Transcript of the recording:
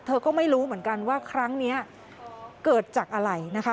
เธอก็ไม่รู้เหมือนกันว่าครั้งนี้เกิดจากอะไรนะคะ